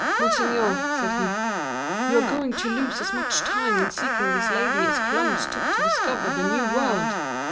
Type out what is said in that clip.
"Monseigneur," said he, "you are going to lose as much time in seeking this lady as Columbus took to discover the new world.